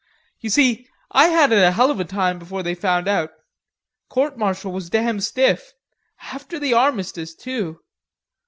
"You see, I had it a hell of a time before they found out. Courtmartial was damn stiff... after the armistice too....